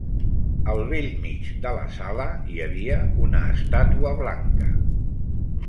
Al bell mig de la sala hi havia una estàtua blanca